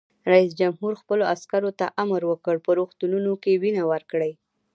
رئیس جمهور خپلو عسکرو ته امر وکړ؛ په روغتونونو کې وینه ورکړئ!